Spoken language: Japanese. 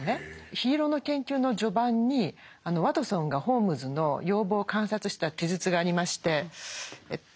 「緋色の研究」の序盤にワトソンがホームズの容貌を観察した記述がありましてえっと